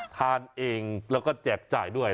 ทานเองแล้วก็แจกจ่ายด้วย